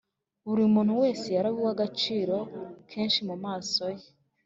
buri muntu wese yari uw’agaciro kenshi mu maso ye